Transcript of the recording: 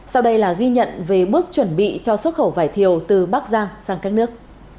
sau đây là ghi nhận về bước chuẩn bị cho xuất khẩu vải thiều từ bắc giang sang các nước